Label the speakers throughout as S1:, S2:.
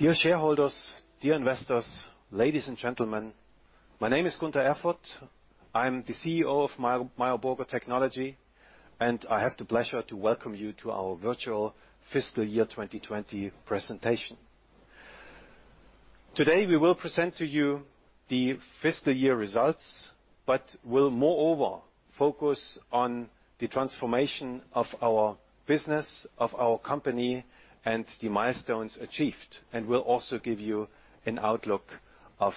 S1: Dear shareholders, dear investors, ladies and gentlemen. My name is Gunter Erfurt. I'm the Chief Executive Officer of Meyer Burger Technology, and I have the pleasure to welcome you to our virtual fiscal year 2020 presentation. Today, we will present to you the fiscal year results, but will moreover focus on the transformation of our business, of our company, and the milestones achieved, and will also give you an outlook of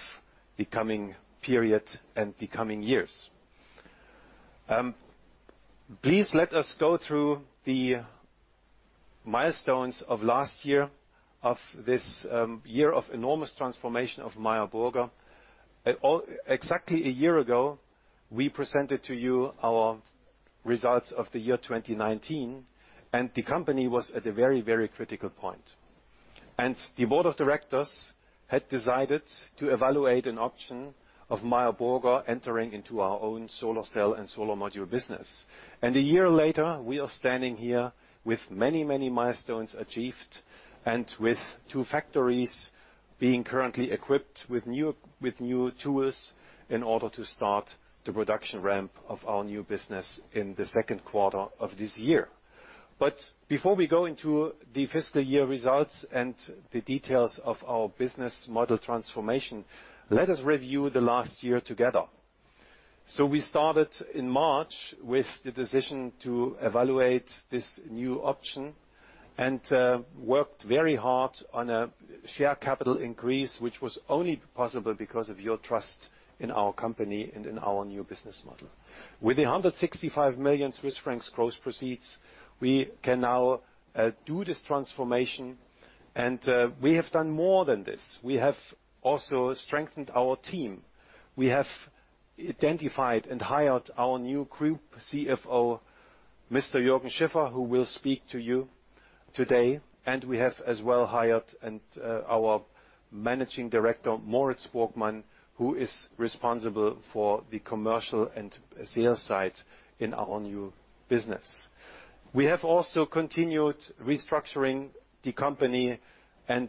S1: the coming period and the coming years. Please let us go through the milestones of last year, of this year of enormous transformation of Meyer Burger. Exactly a year ago, we presented to you our results of the year 2019, and the company was at a very, very critical point. The board of directors had decided to evaluate an option of Meyer Burger entering into our own solar cell and solar module business. A year later, we are standing here with many, many milestones achieved and with two factories being currently equipped with new tools in order to start the production ramp of our new business in the second quarter of this year. Before we go into the fiscal year results and the details of our business model transformation, let us review the last year together. We started in March with the decision to evaluate this new option and worked very hard on a share capital increase, which was only possible because of your trust in our company and in our new business model. With the 165 million Swiss francs gross proceeds, we can now do this transformation, and we have done more than this. We have also strengthened our team. We have identified and hired our new Group Chief Financial Officer, Mr. Jürgen Schiffer, who will speak to you today, and we have as well hired our Managing Director, Moritz Borgmann, who is responsible for the commercial and sales side in our new business. We have also continued restructuring the company and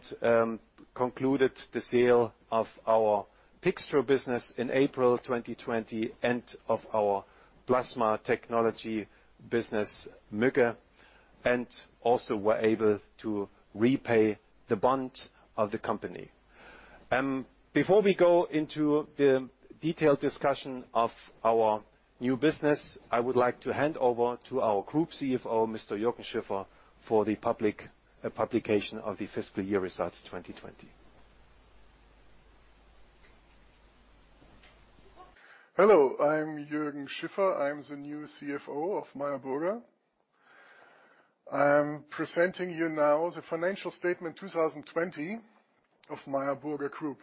S1: concluded the sale of our PiXDRO business in April 2020 and of our plasma technology business, Muegge, and also were able to repay the bond of the company. Before we go into the detailed discussion of our new business, I would like to hand over to our Group Chief Financial Officer, Mr. Jürgen Schiffer, for the publication of the fiscal year results 2020.
S2: Hello, I'm Jürgen Schiffer. I'm the new Chief Financial Officer of Meyer Burger. I am presenting you now the financial statement 2020 of Meyer Burger Group.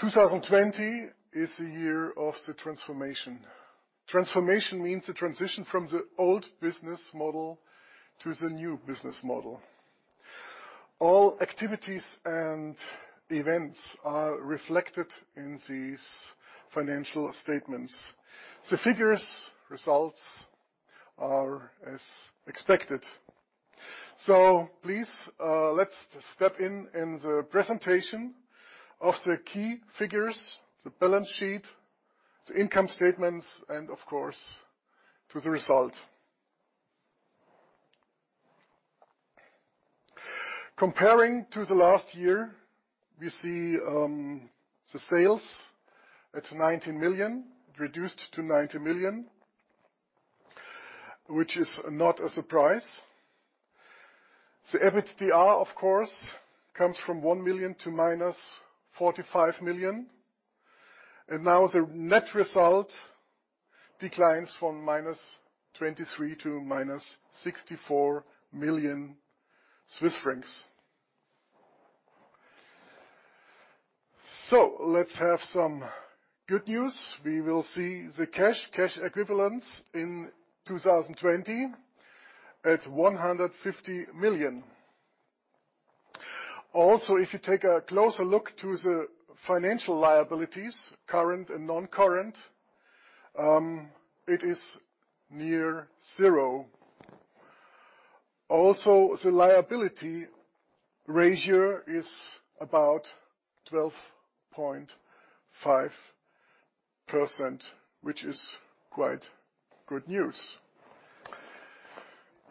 S2: 2020 is the year of the transformation. Transformation means the transition from the old business model to the new business model. All activities and events are reflected in these financial statements. The figures results are as expected. Please, let's step in the presentation of the key figures, the balance sheet, the income statements, and of course, to the result. Comparing to the last year, we see the sales at 19 million, reduced to 90 million, which is not a surprise. The EBITDA, of course, comes from 1 million to -45 million. Now the net result declines from -23 million to -64 million Swiss francs. Let's have some good news. We will see the cash equivalents in 2020 at 150 million. If you take a closer look to the financial liabilities, current and non-current, it is near zero. The liability ratio is about 12.5%, which is quite good news.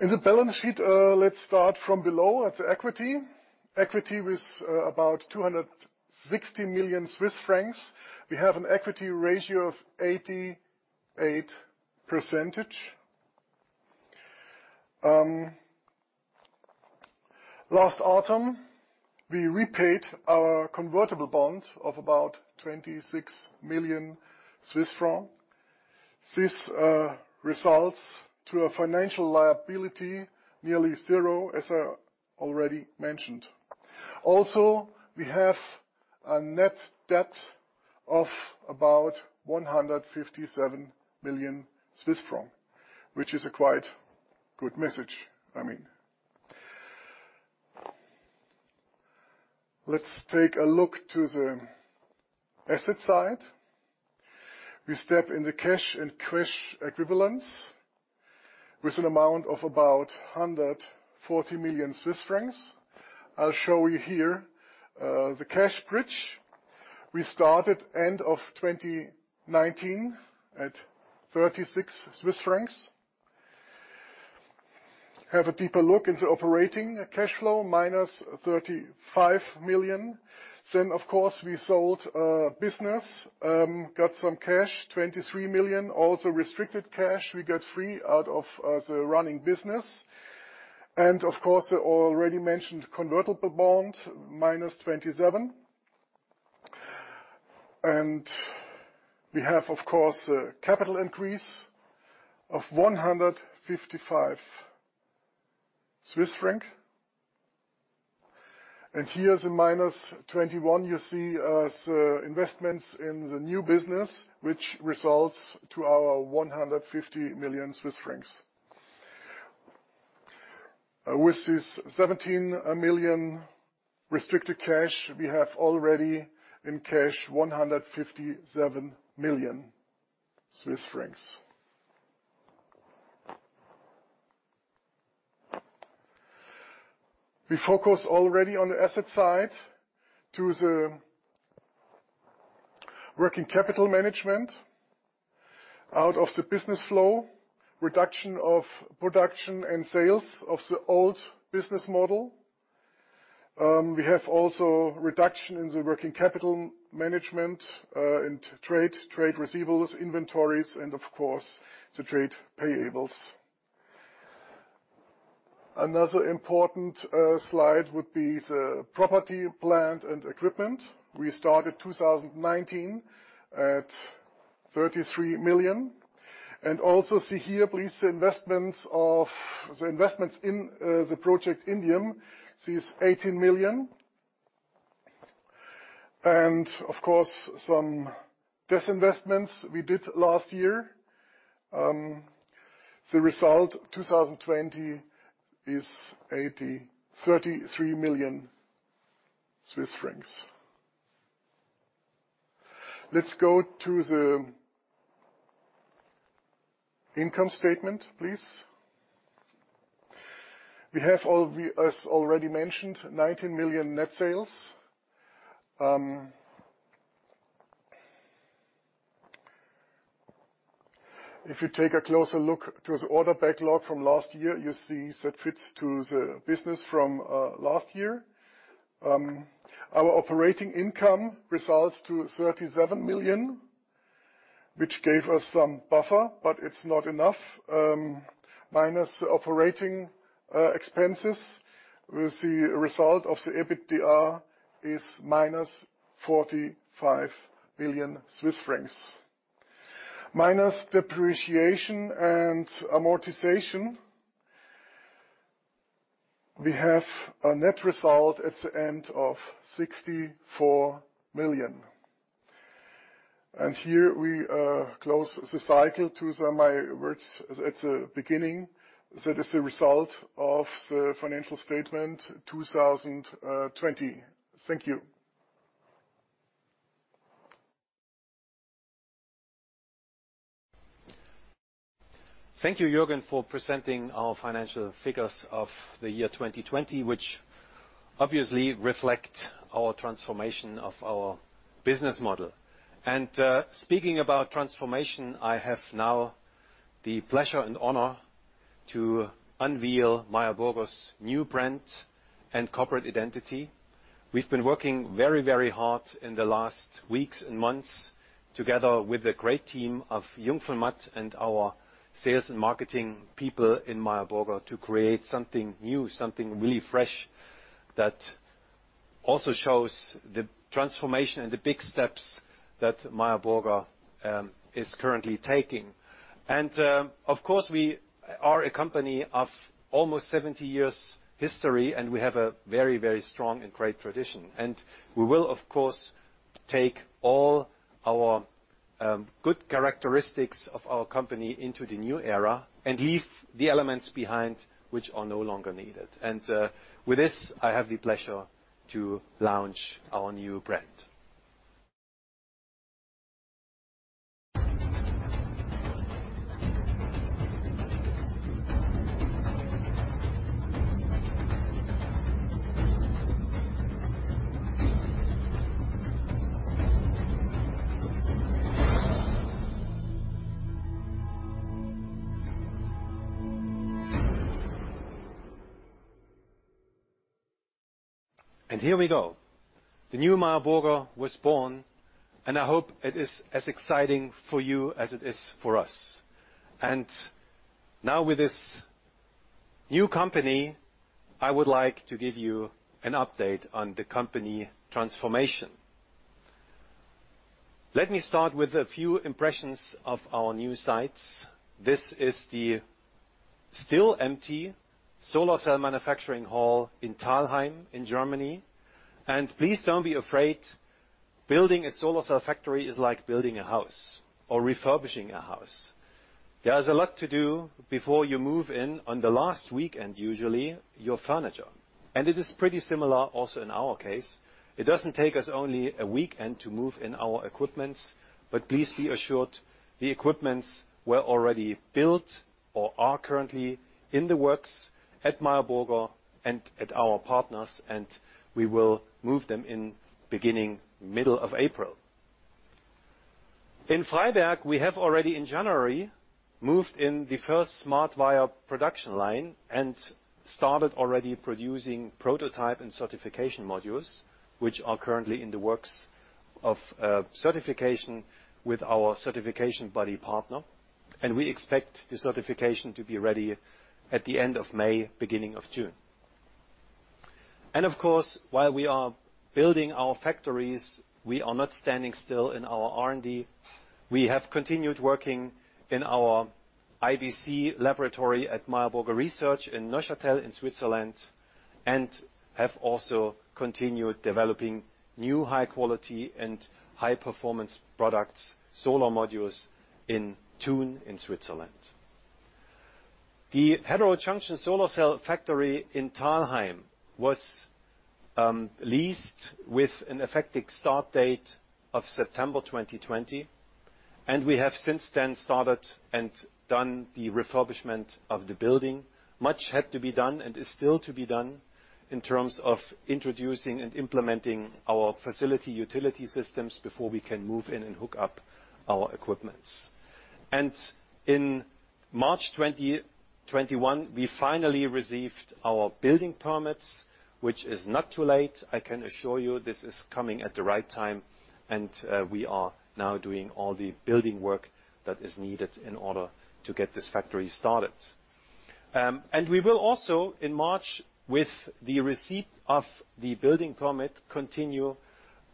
S2: In the balance sheet, let's start from below at the equity. Equity with about 260 million Swiss francs. We have an equity ratio of 88%. Last autumn, we repaid our convertible bond of about 26 million Swiss francs. This results to a financial liability, nearly zero, as already mentioned. We have a net debt of about 157 million Swiss francs, which is a quite good message. I mean. Let's take a look to the asset side. We step in the cash and cash equivalents with an amount of about 140 million Swiss francs. I'll show you here, the cash bridge. We started end of 2019 at 36 Swiss francs. Have a deeper look into operating cash flow, -35 million. Of course, we sold business, got some cash, 23 million. Also restricted cash we got free out of the running business. Of course, the already mentioned convertible bond, -27. We have, of course, a capital increase of 155 Swiss franc. Here is a -21. You see as investments in the new business, which results to our 150 million Swiss francs. With this 17 million restricted cash, we have already in cash 157 million Swiss francs. We focus already on the asset side to the working capital management. Out of the business flow, reduction of production and sales of the old business model. We have also reduction in the working capital management, into trade receivables, inventories, and of course, the trade payables. Another important slide would be the property, plant, and equipment. We started 2019 at 33 million. Also see here, please, the investments in the project Indium, sees 18 million. Of course, some disinvestments we did last year. The result 2020 is CHF 33 million. Let's go to the income statement, please. We have, as already mentioned, 19 million net sales. If you take a closer look to the order backlog from last year, you see that fits to the business from last year. Our operating income results to 37 million, which gave us some buffer, but it's not enough. Minus operating expenses, we see a result of the EBITDA is -45 million Swiss francs. Minus depreciation and amortization, we have a net result at the end of 64 million. Here we close the cycle to some of my words at the beginning. That is the result of the financial statement 2020. Thank you.
S1: Thank you, Jürgen, for presenting our financial figures of the year 2020, which obviously reflect our transformation of our business model. Speaking about transformation, I have now the pleasure and honor to unveil Meyer Burger's new brand and corporate identity. We've been working very, very hard in the last weeks and months, together with a great team of Jung von Matt and our sales and marketing people in Meyer Burger to create something new, something really fresh, that also shows the transformation and the big steps that Meyer Burger is currently taking. Of course, we are a company of almost 70 years history, and we have a very, very strong and great tradition. We will, of course, take all our good characteristics of our company into the new era and leave the elements behind which are no longer needed. With this, I have the pleasure to launch our new brand. Here we go. The new Meyer Burger was born, and I hope it is as exciting for you as it is for us. Now with this new company, I would like to give you an update on the company transformation. Let me start with a few impressions of our new sites. This is the still empty solar cell manufacturing hall in Thalheim, in Germany. Please don't be afraid, building a solar cell factory is like building a house or refurbishing a house. There's a lot to do before you move in on the last weekend, usually, your furniture. It is pretty similar also in our case. It doesn't take us only a weekend to move in our equipment, but please be assured the equipment were already built or are currently in the works at Meyer Burger and at our partners, and we will move them in beginning middle of April. In Freiberg, we have already in January, moved in the first SmartWire production line and started already producing prototype and certification modules, which are currently in the works of certification with our certification body partner. We expect the certification to be ready at the end of May, beginning of June. Of course, while we are building our factories, we are not standing still in our R&D. We have continued working in our IBC laboratory at Meyer Burger Research in Neuchâtel in Switzerland, and have also continued developing new high quality and high performance products, solar modules in Thun in Switzerland. The heterojunction solar cell factory in Thalheim was leased with an effective start date of September 2020. We have since then started and done the refurbishment of the building. Much had to be done and is still to be done in terms of introducing and implementing our facility utility systems before we can move in and hook up our equipment. In March 2021, we finally received our building permits, which is not too late. I can assure you this is coming at the right time, and we are now doing all the building work that is needed in order to get this factory started. We will also, in March, with the receipt of the building permit, continue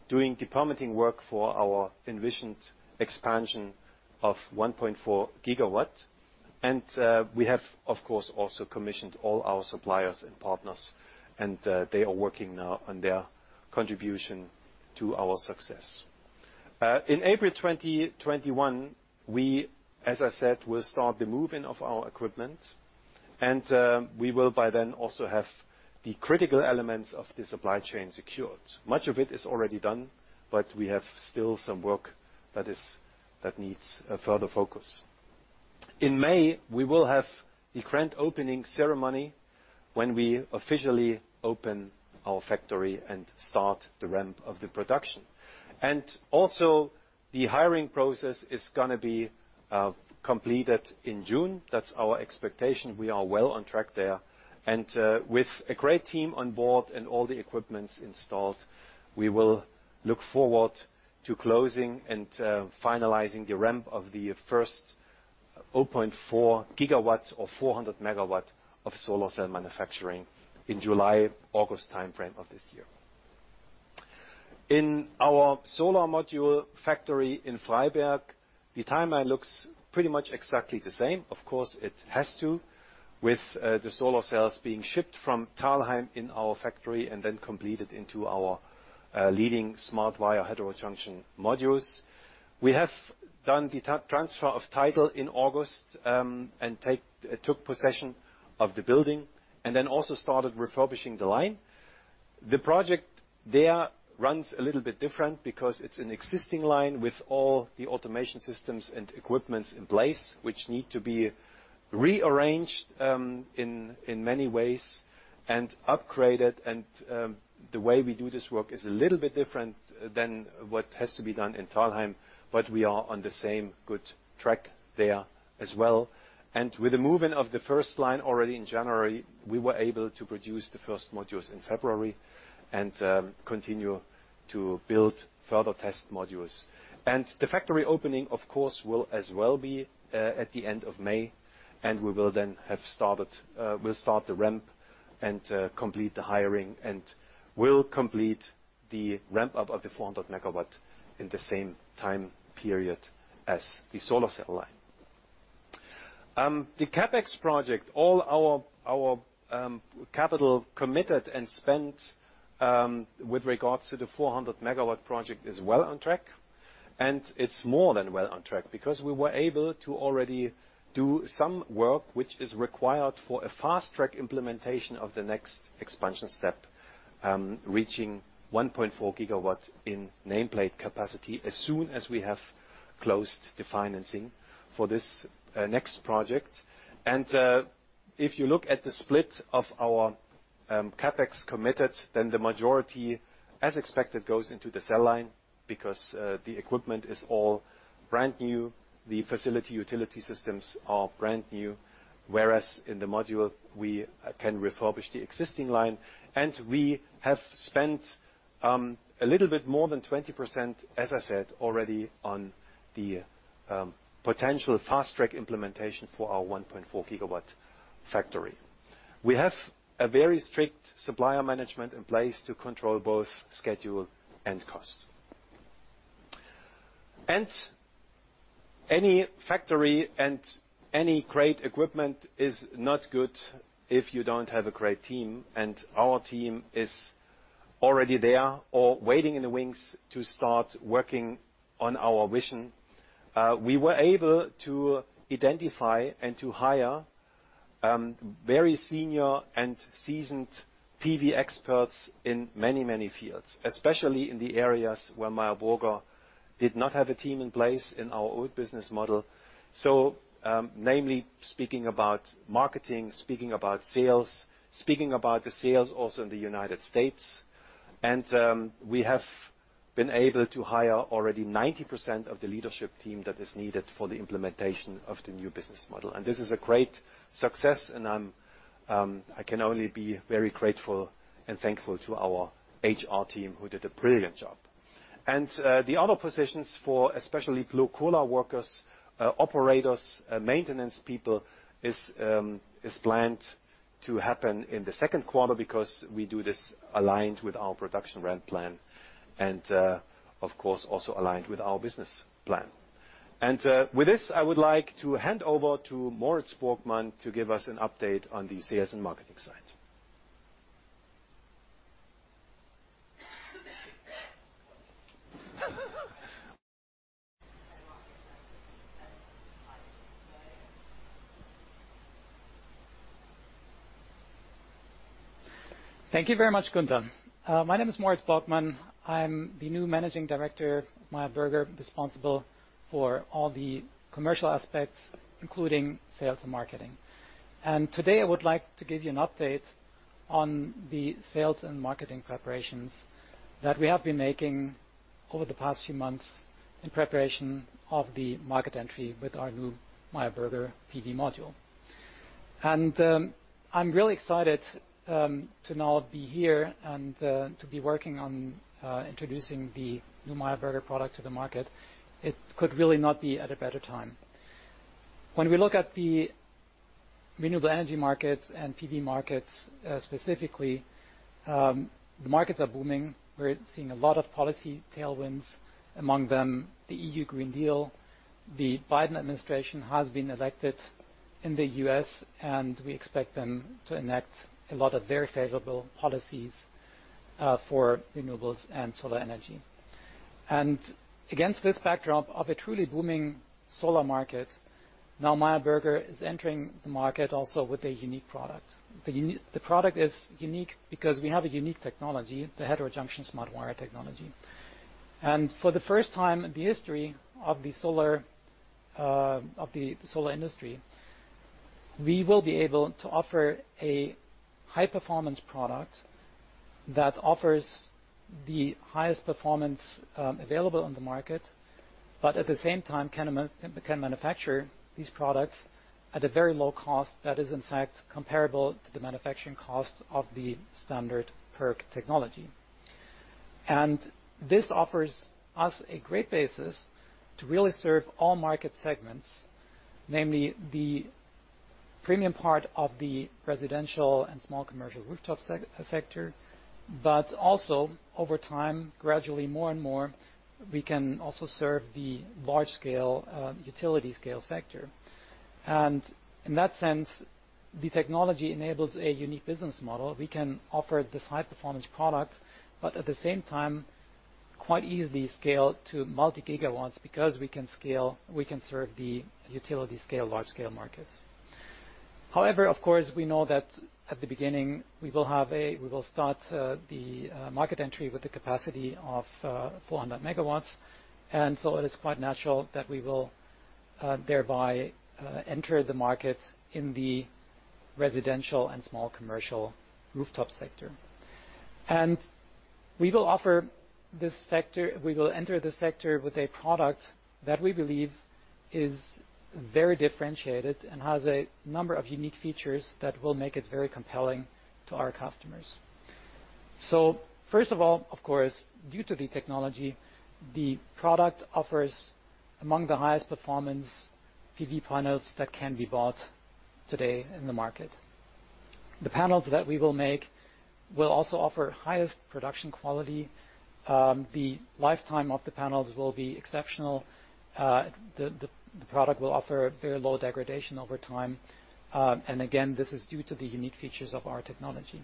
S1: doing the permitting work for our envisioned expansion of 1.4 GW. We have, of course, also commissioned all our suppliers and partners, and they are working now on their contribution to our success. In April 2021, we, as I said, will start the move-in of our equipment, and we will by then also have the critical elements of the supply chain secured. Much of it is already done, but we have still some work that needs further focus. In May, we will have the grand opening ceremony, when we officially open our factory and start the ramp of the production. Also the hiring process is going to be completed in June. That's our expectation. We are well on track there. With a great team on board and all the equipment installed, we will look forward to closing and finalizing the ramp of the first 0.4 GW or 400 MW of solar cell manufacturing in July, August timeframe of this year. In our solar module factory in Freiberg, the timeline looks pretty much exactly the same. Of course, it has to, with the solar cells being shipped from Thalheim in our factory and then completed into our leading SmartWire heterojunction modules. We have done the transfer of title in August, and took possession of the building, and then also started refurbishing the line. The project there runs a little bit different because it's an existing line with all the automation systems and equipment in place, which need to be rearranged in many ways and upgraded. The way we do this work is a little bit different than what has to be done in Thalheim, but we are on the same good track there as well. With the move-in of the first line already in January, we were able to produce the first modules in February and continue to build further test modules. The factory opening, of course, will as well be at the end of May, and we'll start the ramp and complete the hiring, and we'll complete the ramp-up of the 400 MW in the same time period as the solar cell line. The CapEx project, all our capital committed and spent, with regards to the 400-MW project is well on track. It's more than well on track, because we were able to already do some work which is required for a fast-track implementation of the next expansion step, reaching 1.4 GW in nameplate capacity as soon as we have closed the financing for this next project. If you look at the split of our CapEx committed, then the majority, as expected, goes into the cell line because the equipment is all brand new, the facility utility systems are brand new, whereas in the module, we can refurbish the existing line. We have spent a little bit more than 20%, as I said already, on the potential fast-track implementation for our 1.4 GW factory. We have a very strict supplier management in place to control both schedule and cost. Any factory and any great equipment is not good if you don't have a great team, and our team is already there or waiting in the wings to start working on our vision. We were able to identify and to hire very senior and seasoned PV experts in many, many fields, especially in the areas where Meyer Burger did not have a team in place in our old business model. Namely speaking about marketing, speaking about sales, speaking about the sales also in the U.S. We have been able to hire already 90% of the leadership team that is needed for the implementation of the new business model. This is a great success, and I can only be very grateful and thankful to our HR team, who did a brilliant job. The other positions for, especially blue-collar workers, operators, maintenance people, is planned to happen in the second quarter because we do this aligned with our production ramp plan and, of course, also aligned with our business plan. With this, I would like to hand over to Moritz Borgmann to give us an update on the sales and marketing side.
S3: Thank you very much, Gunter. My name is Moritz Borgmann. I'm the new Managing Director of Meyer Burger, responsible for all the commercial aspects, including sales and marketing. Today, I would like to give you an update on the sales and marketing preparations that we have been making over the past few months in preparation of the market entry with our new Meyer Burger PV module. I'm really excited to now be here and to be working on introducing the new Meyer Burger product to the market. It could really not be at a better time. When we look at the renewable energy markets and PV markets specifically, the markets are booming. We're seeing a lot of policy tailwinds, among them the EU Green Deal. The Biden administration has been elected in the U.S., we expect them to enact a lot of very favorable policies for renewables and solar energy. Against this backdrop of a truly booming solar market, now Meyer Burger is entering the market also with a unique product. The product is unique because we have a unique technology, the heterojunction SmartWire technology. For the first time in the history of the solar industry, we will be able to offer a high-performance product that offers the highest performance available on the market, but at the same time can manufacture these products at a very low cost that is, in fact, comparable to the manufacturing cost of the standard PERC technology. This offers us a great basis to really serve all market segments, namely the premium part of the residential and small commercial rooftop sector, but also over time, gradually, more and more, we can also serve the large-scale, utility-scale sector. In that sense, the technology enables a unique business model. We can offer this high-performance product, but at the same time quite easily scale to multi-gigawatts because we can serve the utility-scale, large-scale markets. However, of course, we know that at the beginning we will start the market entry with the capacity of 400 MW, and so it is quite natural that we will thereby enter the market in the residential and small commercial rooftop sector. We will enter the sector with a product that we believe is very differentiated and has a number of unique features that will make it very compelling to our customers. First of all, of course, due to the technology, the product offers among the highest performance PV panels that can be bought today in the market. The panels that we will make will also offer highest production quality. The lifetime of the panels will be exceptional. The product will offer very low degradation over time. Again, this is due to the unique features of our technology.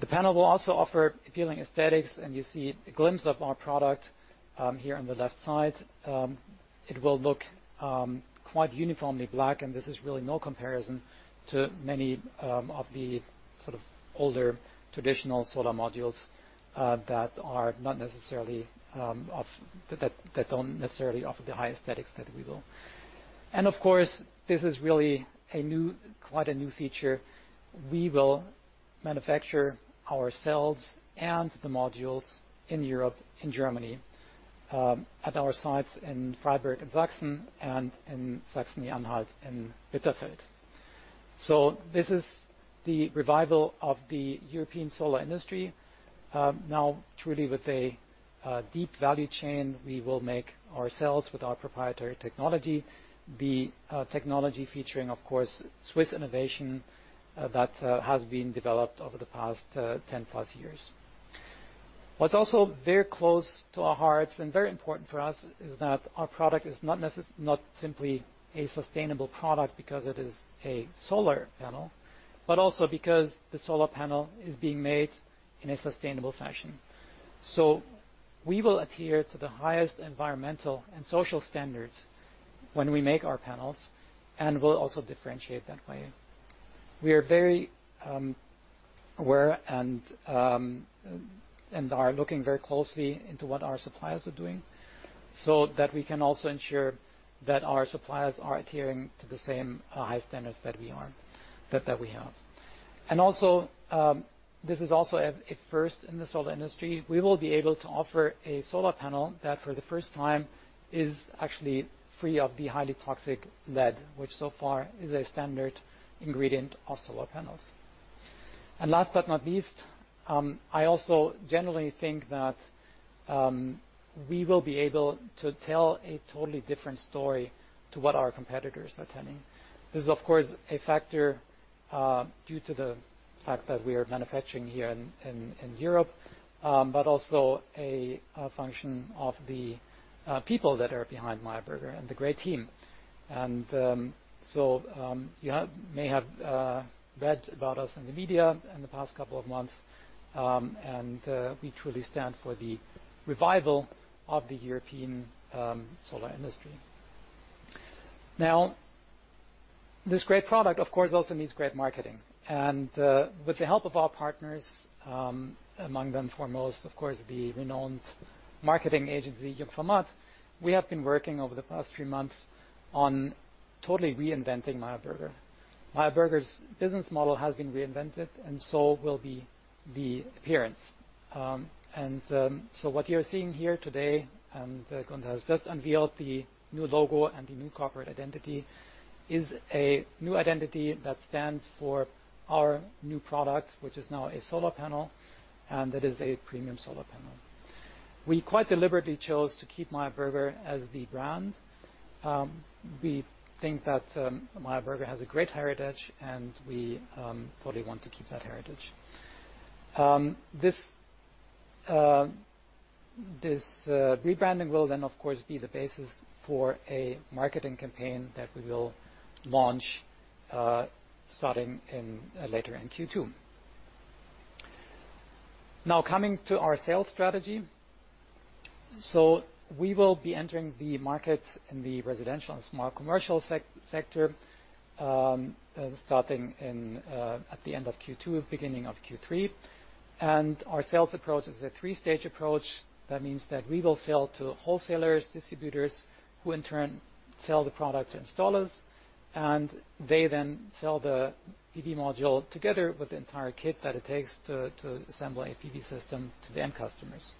S3: The panel will also offer appealing aesthetics, and you see a glimpse of our product here on the left side. It will look quite uniformly black, and this is really no comparison to many of the sort of older traditional solar modules that don't necessarily offer the high aesthetics that we will. Of course, this is really quite a new feature. We will manufacture our cells and the modules in Europe, in Germany, at our sites in Freiberg in Sachsen and in Saxony-Anhalt in Bitterfeld. This is the revival of the European solar industry. Now truly with a deep value chain, we will make our cells with our proprietary technology, the technology featuring, of course, Swiss innovation that has been developed over the past 10+ years. What's also very close to our hearts and very important for us is that our product is not simply a sustainable product because it is a solar panel, but also because the solar panel is being made in a sustainable fashion. We will adhere to the highest environmental and social standards when we make our panels, and we'll also differentiate that way. We are very aware and are looking very closely into what our suppliers are doing so that we can also ensure that our suppliers are adhering to the same high standards that we have. This is also a first in the solar industry. We will be able to offer a solar panel that, for the first time, is actually free of the highly toxic lead, which so far is a standard ingredient of solar panels. Last but not least, I also generally think that we will be able to tell a totally different story to what our competitors are telling. This is, of course, a factor due to the fact that we are manufacturing here in Europe, but also a function of the people that are behind Meyer Burger and the great team. You may have read about us in the media in the past couple of months, and we truly stand for the revival of the European solar industry. This great product, of course, also needs great marketing and with the help of our partners, among them foremost, of course, the renowned marketing agency, Jung von Matt, we have been working over the past few months on totally reinventing Meyer Burger. Meyer Burger's business model has been reinvented, and so will be the appearance. What you're seeing here today, and Gunter has just unveiled the new logo and the new corporate identity, is a new identity that stands for our new product, which is now a solar panel, and that is a premium solar panel. We quite deliberately chose to keep Meyer Burger as the brand. We think that Meyer Burger has a great heritage. We totally want to keep that heritage. This rebranding will, of course, be the basis for a marketing campaign that we will launch starting later in Q2. Coming to our sales strategy. We will be entering the market in the residential and small commercial sector, starting at the end of Q2, beginning of Q3. Our sales approach is a three-stage approach. That means that we will sell to wholesalers, distributors, who in turn sell the product to installers. They then sell the PV module together with the entire kit that it takes to assemble a PV system to the end customers.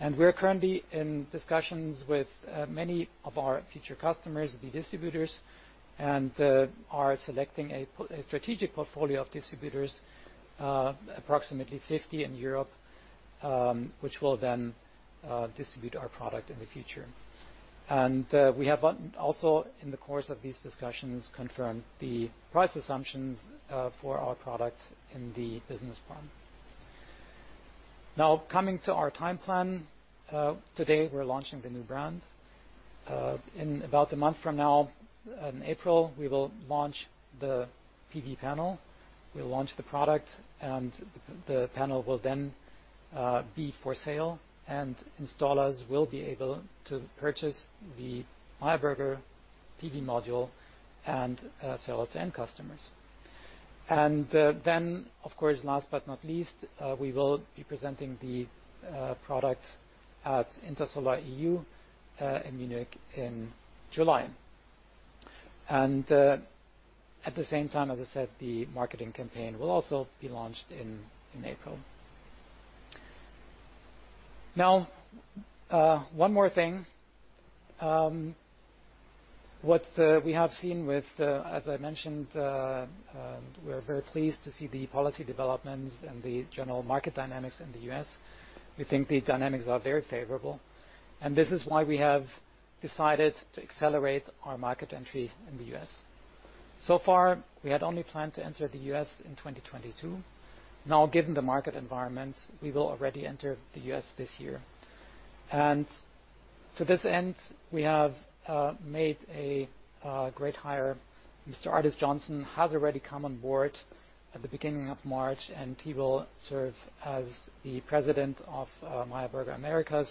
S3: We're currently in discussions with many of our future customers, the distributors, and are selecting a strategic portfolio of distributors, approximately 50 in Europe, which will then distribute our product in the future. We have also, in the course of these discussions, confirmed the price assumptions for our product in the business plan. Coming to our time plan. Today, we're launching the new brand. In about a month from now, in April, we will launch the PV panel. We'll launch the product, and the panel will then be for sale, and installers will be able to purchase the Meyer Burger PV module and sell it to end customers. Of course, last but not least, we will be presenting the product at Intersolar EU in Munich in July. At the same time, as I said, the marketing campaign will also be launched in April. One more thing. As I mentioned, we're very pleased to see the policy developments and the general market dynamics in the U.S. We think the dynamics are very favorable, and this is why we have decided to accelerate our market entry in the U.S. So far, we had only planned to enter the U.S. in 2022. Now, given the market environment, we will already enter the U.S. this year. To this end, we have made a great hire. Mr. Ardes Johnson has already come on board at the beginning of March, and he will serve as the President of Meyer Burger Americas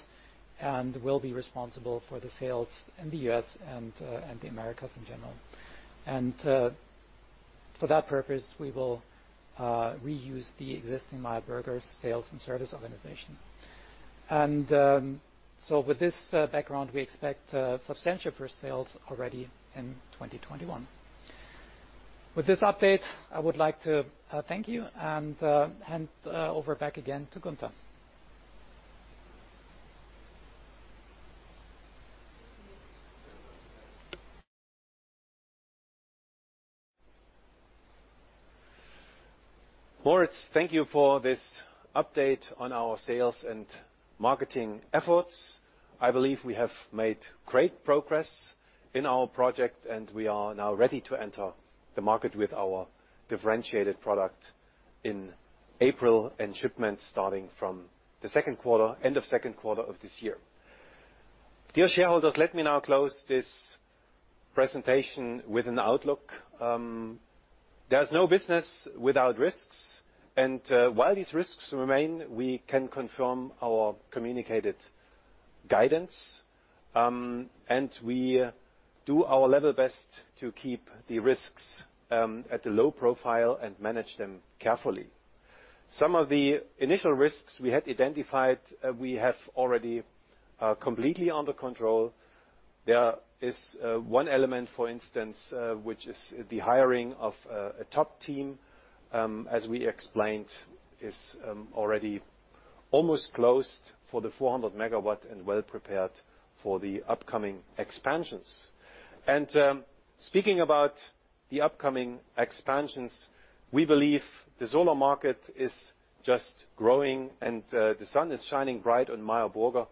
S3: and will be responsible for the sales in the U.S. and the Americas in general. For that purpose, we will reuse the existing Meyer Burger sales and service organization. With this background, we expect substantial first sales already in 2021. With this update, I would like to thank you and hand over back again to Gunter.
S1: Moritz, thank you for this update on our sales and marketing efforts. I believe we have made great progress in our project, and we are now ready to enter the market with our differentiated product in April, and shipments starting from the end of second quarter of this year. Dear shareholders, let me now close this presentation with an outlook. There's no business without risks. While these risks remain, we can confirm our communicated guidance, and we do our level best to keep the risks at a low profile and manage them carefully. Some of the initial risks we had identified, we have already completely under control. There is one element, for instance, which is the hiring of a top team, as we explained, is already almost closed for the 400 MW and well prepared for the upcoming expansions. Speaking about the upcoming expansions, we believe the solar market is just growing and the sun is shining bright on Meyer Burger.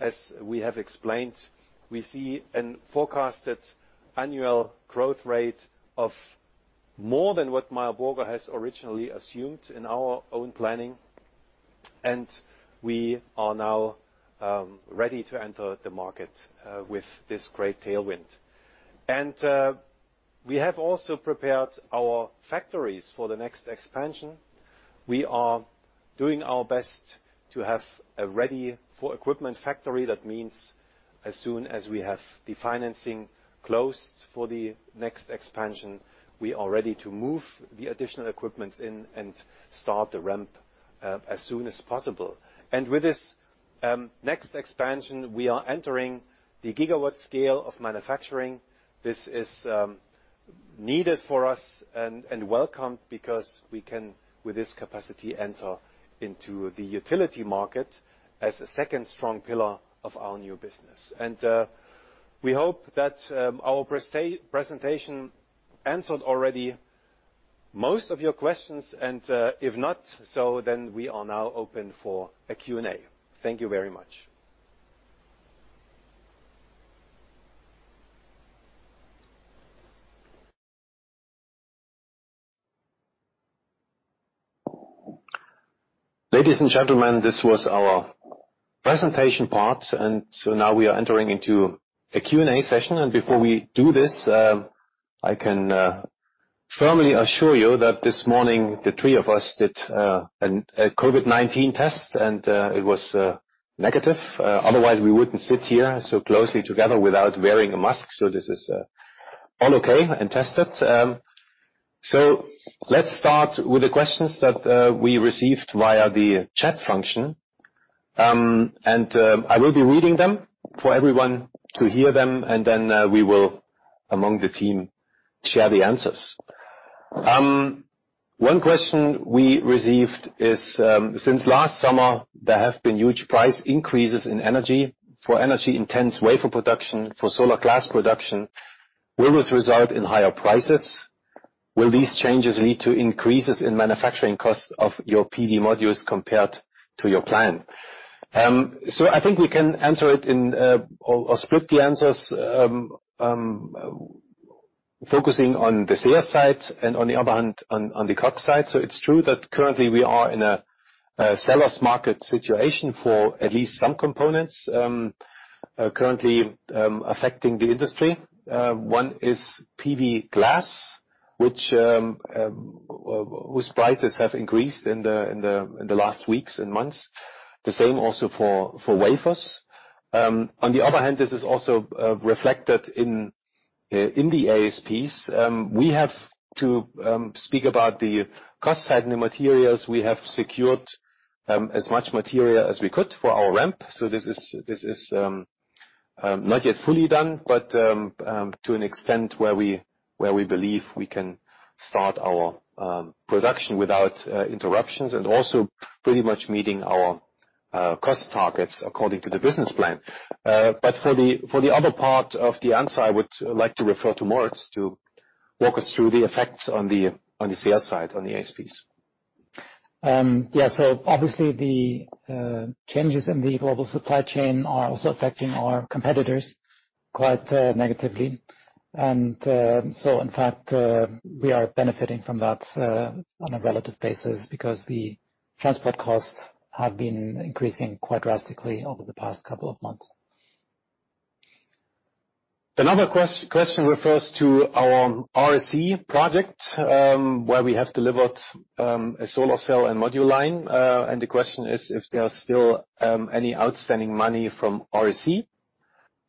S1: As we have explained, we see a forecasted annual growth rate of more than what Meyer Burger has originally assumed in our own planning, and we are now ready to enter the market with this great tailwind. We have also prepared our factories for the next expansion. We are doing our best to have a ready for equipment factory. That means as soon as we have the financing closed for the next expansion, we are ready to move the additional equipments in and start the ramp as soon as possible. With this next expansion, we are entering the gigawatt scale of manufacturing. This is needed for us and welcome, because we can, with this capacity, enter into the utility market as a second strong pillar of our new business. We hope that our presentation answered already most of your questions, if not so, then we are now open for a Q&A. Thank you very much. Ladies and gentlemen, this was our presentation part, now we are entering into a Q&A session. Before we do this, I can firmly assure you that this morning the three of us did a COVID-19 test and it was negative. Otherwise, we wouldn't sit here so closely together without wearing a mask. This is all okay and tested. Let's start with the questions that we received via the chat function. I will be reading them for everyone to hear them, and then we will, among the team, share the answers. One question we received is, since last summer, there have been huge price increases in energy for energy-intense wafer production, for solar glass production. Will this result in higher prices? Will these changes lead to increases in manufacturing costs of your PV modules compared to your plan? I think we can answer it or split the answers, focusing on the sales side and on the other hand, on the COGS side. It's true that currently we are in a seller's market situation for at least some components currently affecting the industry. One is PV glass, whose prices have increased in the last weeks and months. The same also for wafers. On the other hand, this is also reflected in the ASPs. We have to speak about the cost side and the materials. We have secured as much material as we could for our ramp. This is not yet fully done, but to an extent where we believe we can start our production without interruptions, and also pretty much meeting our cost targets according to the business plan. For the other part of the answer, I would like to refer to Moritz to walk us through the effects on the sales side, on the ASPs.
S3: Obviously the changes in the global supply chain are also affecting our competitors quite negatively. In fact, we are benefiting from that on a relative basis because the transport costs have been increasing quite drastically over the past couple of months.
S1: Another question refers to our REC project, where we have delivered a solar cell and module line. The question is, if there are still any outstanding money from REC,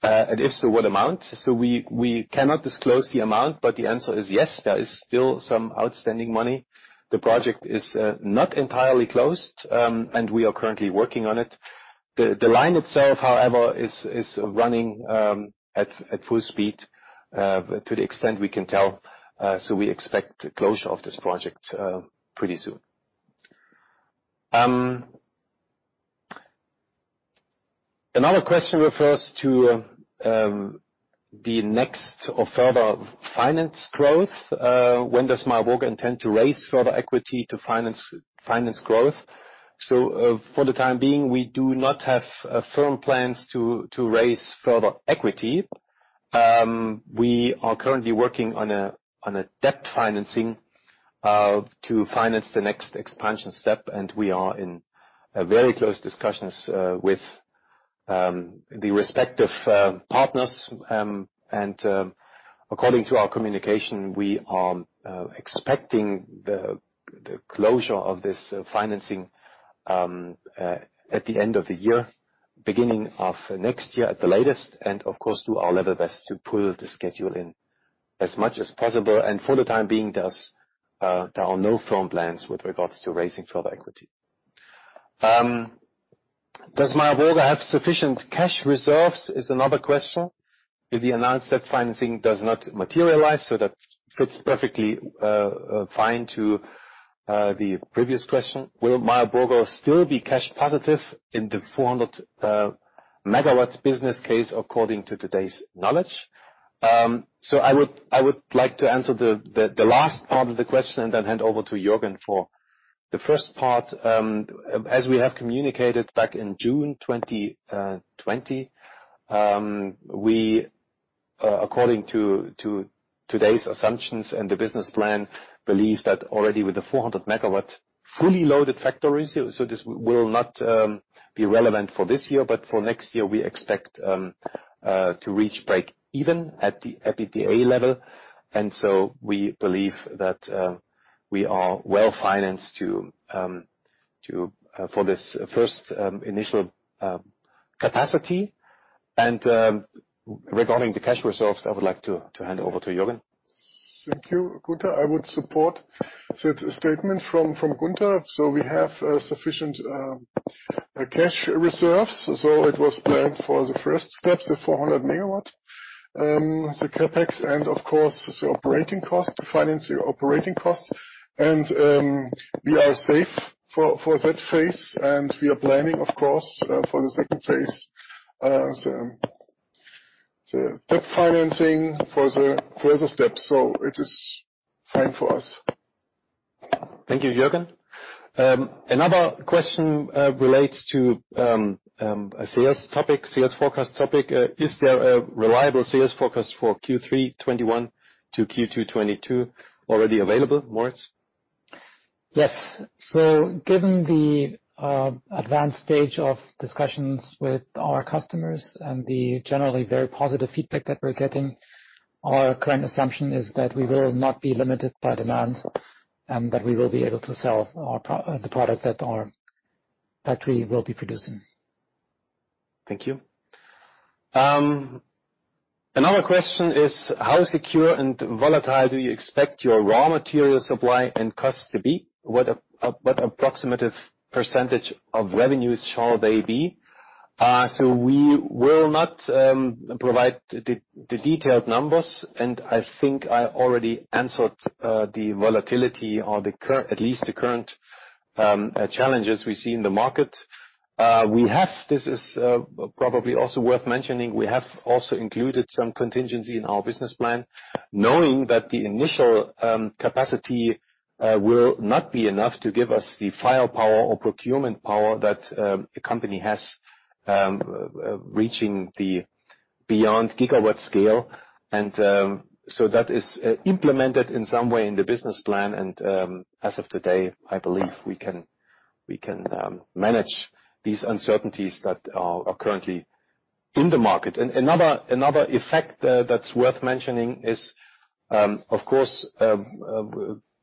S1: and if so, what amount? We cannot disclose the amount, but the answer is yes, there is still some outstanding money. The project is not entirely closed, and we are currently working on it. The line itself, however, is running at full speed to the extent we can tell. We expect closure of this project pretty soon. Another question refers to the next or further finance growth. When does Meyer Burger intend to raise further equity to finance growth? For the time being, we do not have firm plans to raise further equity. We are currently working on a debt financing to finance the next expansion step, and we are in very close discussions with the respective partners. According to our communication, we are expecting the closure of this financing at the end of the year, beginning of next year at the latest, and of course, do our level best to pull the schedule in as much as possible. For the time being, there are no firm plans with regards to raising further equity. Does Meyer Burger have sufficient cash reserves? Is another question. If the announced debt financing does not materialize, that fits perfectly fine to the previous question. Will Meyer Burger still be cash positive in the 400 MW business case according to today's knowledge? I would like to answer the last part of the question and then hand over to Jürgen for the first part. As we have communicated back in June 2020, we, according to today's assumptions and the business plan, believe that already with the 400 MW fully loaded factor, so this will not be relevant for this year, but for next year, we expect to reach break even at the EBITDA level. We believe that we are well-financed for this first initial capacity. Regarding the cash reserves, I would like to hand over to Jürgen.
S2: Thank you, Gunter. I would support that statement from Gunter. We have sufficient cash reserves. It was planned for the first step, the 400 MW, the CapEx and of course, the operating cost, to finance the operating cost. We are safe for that phase, and we are planning, of course, for the second phase. Debt financing for the further steps. It is fine for us.
S1: Thank you, Jürgen. Another question relates to a sales topic, sales forecast topic. Is there a reliable sales forecast for Q3 2021 to Q2 2022 already available, Moritz?
S3: Yes. Given the advanced stage of discussions with our customers and the generally very positive feedback that we're getting, our current assumption is that we will not be limited by demand, and that we will be able to sell the product that our factory will be producing.
S1: Thank you. Another question is, how secure and volatile do you expect your raw material supply and costs to be? What approximative percentage of revenues shall they be? We will not provide the detailed numbers, and I think I already answered the volatility or at least the current challenges we see in the market. We have, this is probably also worth mentioning, we have also included some contingency in our business plan, knowing that the initial capacity will not be enough to give us the firepower or procurement power that a company has reaching the beyond gigawatt scale. That is implemented in some way in the business plan. As of today, I believe we can manage these uncertainties that are currently in the market. Another effect that's worth mentioning is, of course,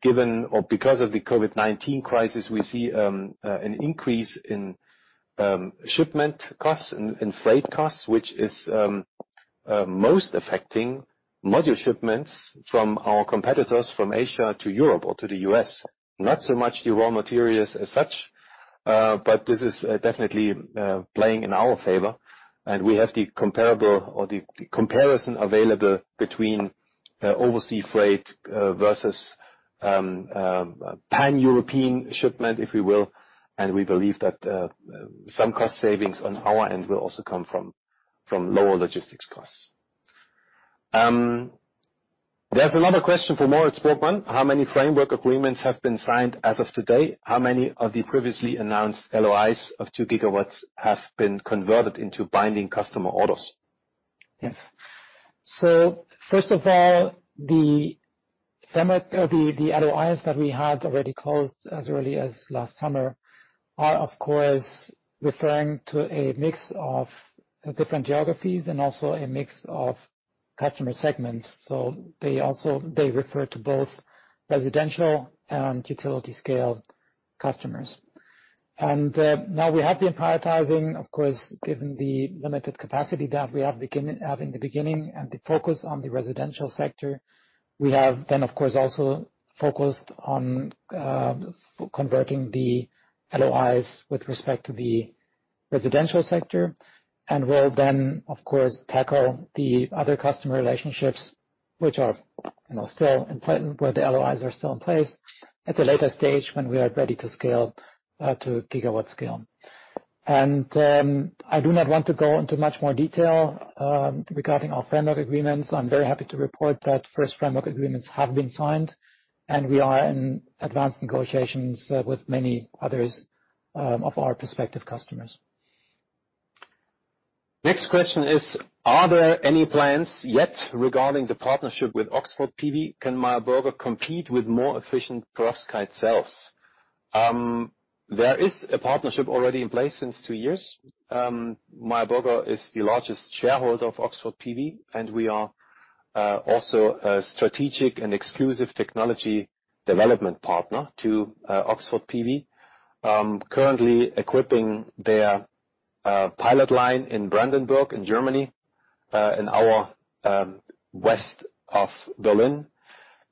S1: given or because of the COVID-19 crisis, we see an increase in shipment costs and freight costs, which is most affecting module shipments from our competitors from Asia to Europe or to the U.S. Not so much the raw materials as such. This is definitely playing in our favor. We have the comparable or the comparison available between oversea freight versus pan-European shipment, if you will, and we believe that some cost savings on our end will also come from lower logistics costs. There's another question for Moritz Borgmann. How many framework agreements have been signed as of today? How many of the previously announced LOIs of 2 GW have been converted into binding customer orders?
S3: Yes. First of all, the LOIs that we had already closed as early as last summer are, of course, referring to a mix of different geographies and also a mix of customer segments. They refer to both residential and utility scale customers. Now we have been prioritizing, of course, given the limited capacity that we have in the beginning and the focus on the residential sector. We have then, of course, also focused on converting the LOIs with respect to the residential sector and will then, of course, tackle the other customer relationships, which are still in patent, where the LOIs are still in place at a later stage when we are ready to scale to gigawatt scale. I do not want to go into much more detail regarding our framework agreements. I'm very happy to report that first framework agreements have been signed, and we are in advanced negotiations with many others of our prospective customers.
S1: Next question is, are there any plans yet regarding the partnership with Oxford PV? Can Meyer Burger compete with more efficient perovskite cells? There is a partnership already in place since two years. Meyer Burger is the largest shareholder of Oxford PV, and we are also a strategic and exclusive technology development partner to Oxford PV, currently equipping their pilot line in Brandenburg in Germany, an hour west of Berlin.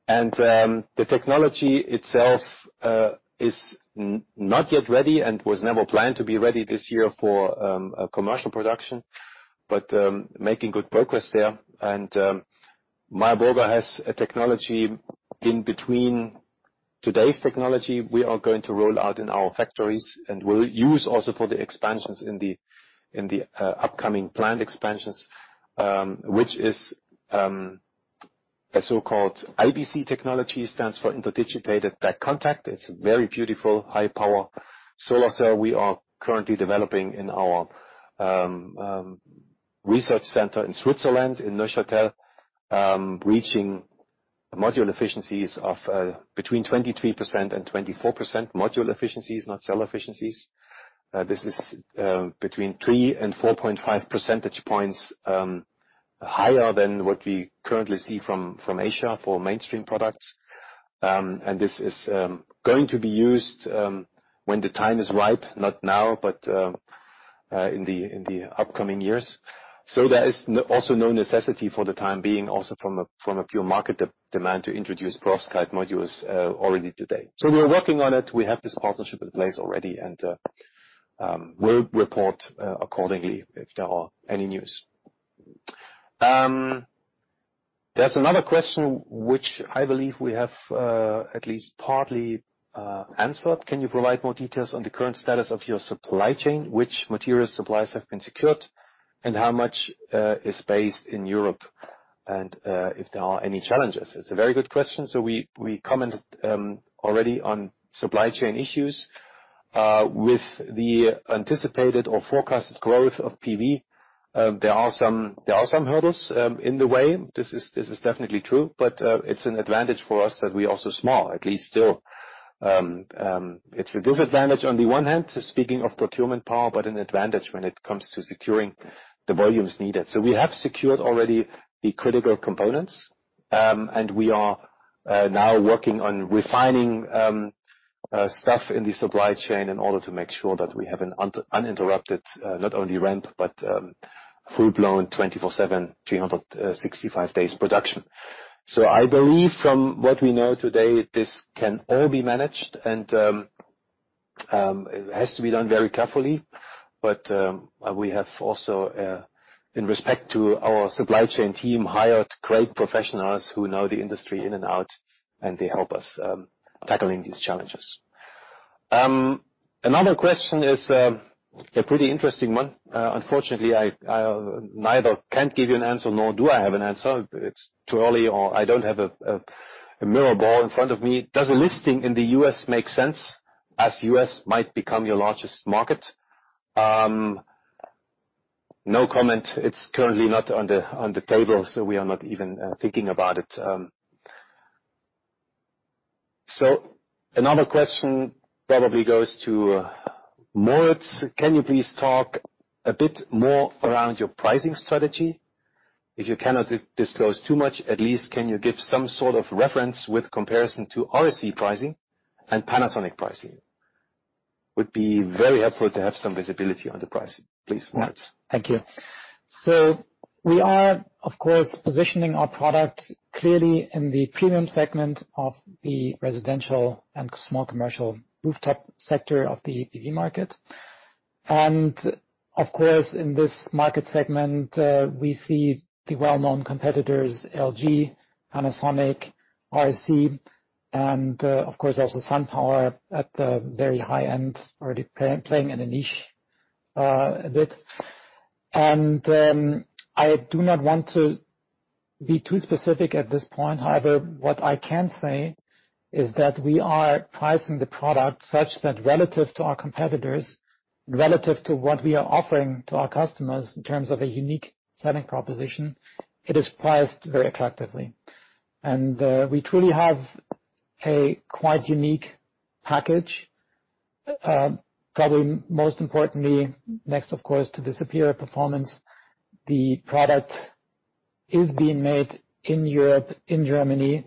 S1: The technology itself is not yet ready and was never planned to be ready this year for commercial production. Making good progress there. Meyer Burger has a technology in between today's technology, we are going to roll out in our factories and we'll use also for the expansions in the upcoming planned expansions, which is a so-called IBC technology, stands for Interdigitated Back Contact. It's a very beautiful high power solar cell we are currently developing in our research center in Switzerland, in Neuchâtel, reaching module efficiencies of between 23% and 24% module efficiencies, not cell efficiencies. This is between 3 and 4.5 percentage points higher than what we currently see from Asia for mainstream products. This is going to be used when the time is ripe, not now, but in the upcoming years. There is also no necessity for the time being, also from a pure market demand to introduce perovskite modules already today. We're working on it. We have this partnership in place already and we'll report accordingly if there are any news. There's another question which I believe we have at least partly answered. Can you provide more details on the current status of your supply chain? Which material supplies have been secured? How much is based in Europe? If there are any challenges? It's a very good question. We commented already on supply chain issues. With the anticipated or forecasted growth of PV, there are some hurdles in the way. This is definitely true, but it's an advantage for us that we are also small, at least still. It's a disadvantage on the one hand, speaking of procurement power, but an advantage when it comes to securing the volumes needed. We have secured already the critical components, and we are now working on refining stuff in the supply chain in order to make sure that we have an uninterrupted, not only ramp, but full-blown 24/7, 365 days production. I believe from what we know today, this can all be managed and it has to be done very carefully. We have also, in respect to our supply chain team, hired great professionals who know the industry in and out, and they help us tackling these challenges. Another question is a pretty interesting one. Unfortunately, I neither can't give you an answer, nor do I have an answer. It's too early or I don't have a mirror ball in front of me. Does a listing in the U.S. make sense, as U.S. might become your largest market? No comment. It's currently not on the table, so we are not even thinking about it. Another question probably goes to Moritz. Can you please talk a bit more around your pricing strategy? If you cannot disclose too much, at least can you give some sort of reference with comparison to REC pricing and Panasonic pricing? Would be very helpful to have some visibility on the pricing. Please, Moritz.
S3: Thank you. We are, of course, positioning our product clearly in the premium segment of the residential and small commercial rooftop sector of the PV market. Of course, in this market segment, we see the well-known competitors, LG, Panasonic, REC, and of course, also SunPower at the very high end, already playing in a niche a bit. I do not want to be too specific at this point. However, what I can say is that we are pricing the product such that relative to our competitors, relative to what we are offering to our customers in terms of a unique selling proposition, it is priced very attractively. We truly have a quite unique package. Probably most importantly, next, of course, to the superior performance, the product is being made in Europe, in Germany,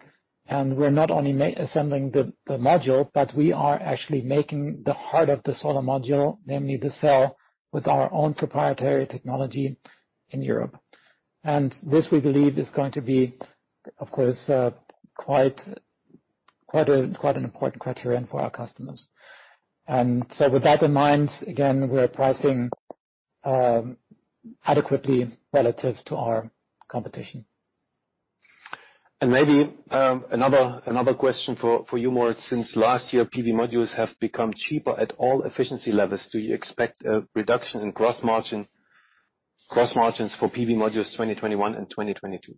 S3: and we're not only assembling the module, but we are actually making the heart of the solar module, namely the cell, with our own proprietary technology in Europe. This, we believe is going to be, of course quite an important criterion for our customers. With that in mind, again, we're pricing adequately relative to our competition.
S1: Maybe, another question for you, Moritz. Since last year, PV modules have become cheaper at all efficiency levels. Do you expect a reduction in gross margins for PV modules 2021 and 2022?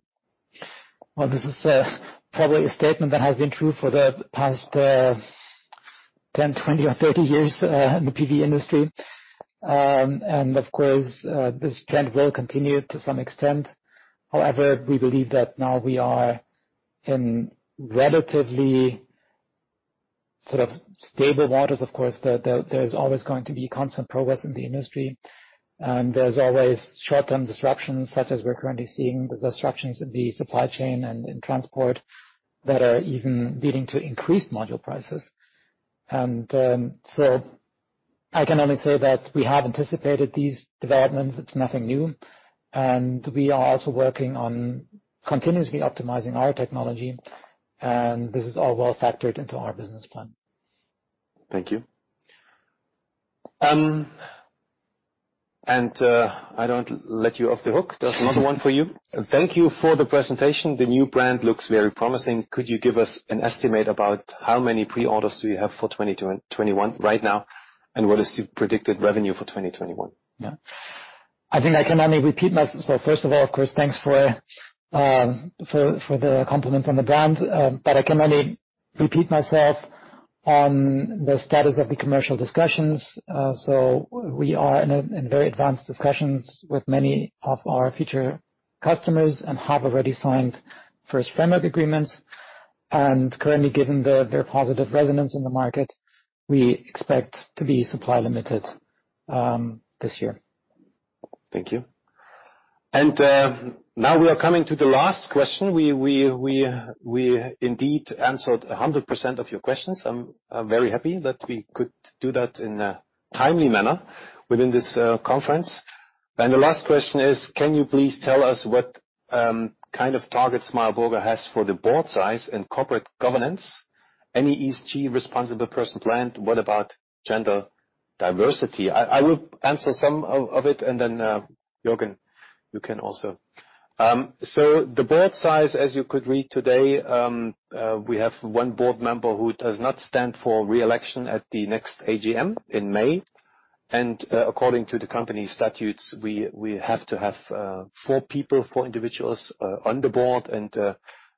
S3: Well, this is probably a statement that has been true for the past 10, 20, or 30 years in the PV industry. Of course, this trend will continue to some extent. However, we believe that now we are in relatively sort of stable waters. Of course, there's always going to be constant progress in the industry, and there's always short-term disruptions such as we're currently seeing with disruptions in the supply chain and in transport that are even leading to increased module prices. I can only say that we have anticipated these developments. It's nothing new, and we are also working on continuously optimizing our technology. This is all well-factored into our business plan.
S1: Thank you. I don't let you off the hook. There's another one for you. Thank you for the presentation. The new brand looks very promising. Could you give us an estimate about how many pre-orders do you have for 2021 right now, and what is the predicted revenue for 2021?
S3: Yeah. I think I can only repeat first of all, of course, thanks for the compliment on the brand. I can only repeat myself on the status of the commercial discussions. We are in very advanced discussions with many of our future customers and have already signed first framework agreements. Currently, given the very positive resonance in the market, we expect to be supply limited this year.
S1: Thank you. Now we are coming to the last question. We indeed answered 100% of your questions. I'm very happy that we could do that in a timely manner within this conference. The last question is, can you please tell us what kind of target Meyer Burger has for the board size and corporate governance? Any ESG responsible person planned? What about gender diversity? I will answer some of it and then, Jürgen, you can also. The board size, as you could read today, we have one board member who does not stand for re-election at the next AGM in May. According to the company statutes, we have to have four individuals on the board.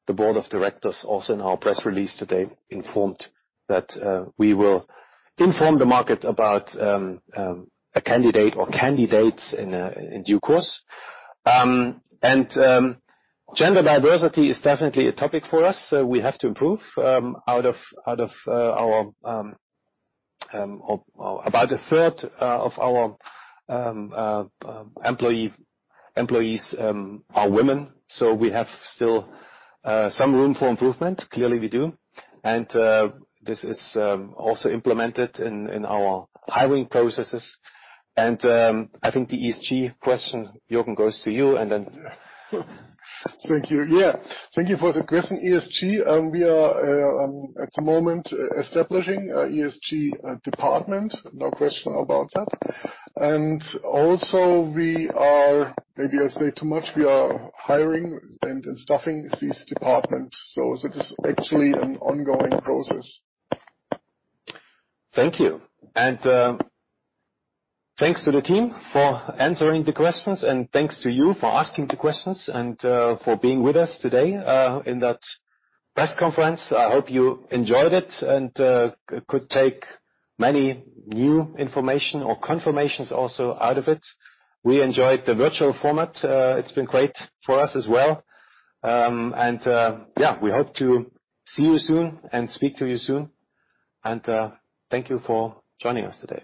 S1: The board of directors also in our press release today informed that we will inform the market about a candidate or candidates in due course. Gender diversity is definitely a topic for us. We have to improve. About a third of our employees are women, so we have still some room for improvement. Clearly, we do. This is also implemented in our hiring processes. I think the ESG question, Jürgen, goes to you.
S2: Thank you. Yeah. Thank you for the question. ESG, we are at the moment establishing a ESG department. No question about that. Also we are, maybe I say too much, we are hiring and staffing this department. It is actually an ongoing process.
S1: Thank you. Thanks to the team for answering the questions, thanks to you for asking the questions and for being with us today in that press conference. I hope you enjoyed it and could take many new information or confirmations also out of it. We enjoyed the virtual format. It's been great for us as well. We hope to see you soon and speak to you soon. Thank you for joining us today.